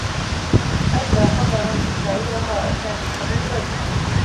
أَدّى قدراً مستعيرها أدنى من حبل الوريد